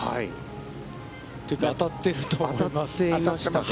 というか、当たっていると思います。